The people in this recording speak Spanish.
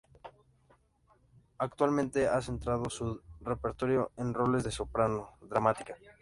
Actualmente ha centrado su repertorio en roles de soprano dramática.